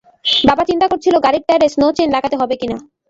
বাবা চিন্তা করছিল গাড়ির টায়ারে স্নো চেইন লাগাতে হবে কিনা।